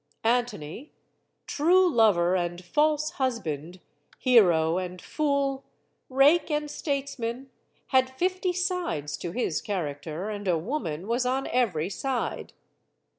Antony true lover and false husband, hero and fool, rake and statesman had fifty sides to his char acter and a woman was on every side.